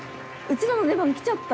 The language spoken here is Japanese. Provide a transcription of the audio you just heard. ちらの出番来ちゃった。